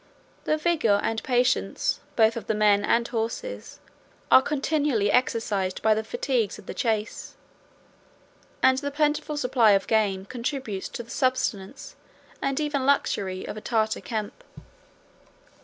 The vigor and patience, both of the men and horses, are continually exercised by the fatigues of the chase; and the plentiful supply of game contributes to the subsistence, and even luxury, of a Tartar camp.